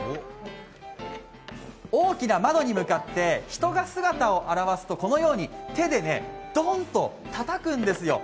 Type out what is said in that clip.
大きな窓に向かって、人が姿を現すとこのように手でね、ドンとたたくんですよ。